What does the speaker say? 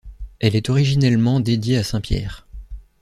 Elle est originellement dédiée à saint Pierre.